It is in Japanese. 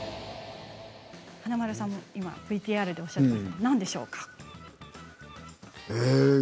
華丸さんも今ＶＴＲでおっしゃっていましたがなんでしょうか。